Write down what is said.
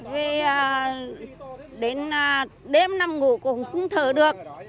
vì đến đêm nằm ngủ cũng không thở được